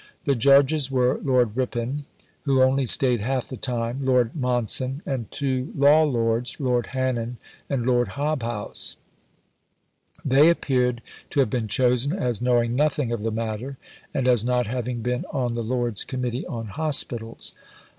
The Judges were: Lord Ripon (who only stayed half the time), Lord Monson, and two Law Lords [Lord Hannen and Lord Hobhouse]. They appeared to have been chosen as knowing nothing of the matter and as not having been on the Lords Committee on Hospitals.